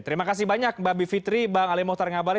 terima kasih banyak mbak bivitri bang ali mohtar ngabali